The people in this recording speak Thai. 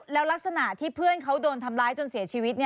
แล้วลักษณะที่เพื่อนเขาโดนทำร้ายจนเสียชีวิต